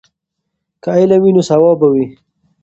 که علم وي نو ثواب وي.